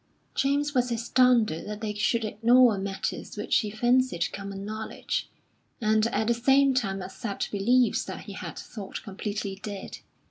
James was astounded that they should ignore matters which he fancied common knowledge, and at the same time accept beliefs that he had thought completely dead.